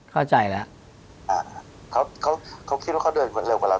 อ๋อเข้าใจละอ่าเขาเขาเขาคิดว่าเขาเดินเร็วกว่าเรา